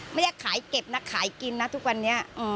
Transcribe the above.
ไม่ได้ขายเก็บนะขายกินนะทุกวันนี้